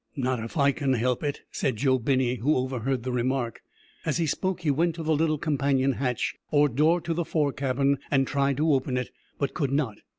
"Not if I can help it," said Joe Binney, who overheard the remark. As he spoke he went to the little companion hatch, or door to the fore cabin, and tried to open it, but could not.